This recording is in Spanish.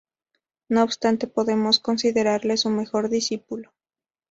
No obstante, podemos considerarle su mejor discípulo.